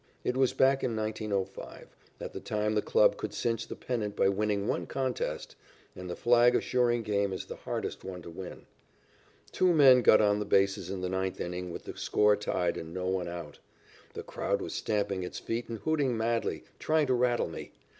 It was back in 1905, at the time the club could cinch the pennant by winning one contest, and the flag assuring game is the hardest one to win. Two men got on the bases in the ninth inning with the score tied and no one out. The crowd was stamping its feet and hooting madly, trying to rattle me.